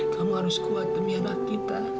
kamu harus kuat demi anak kita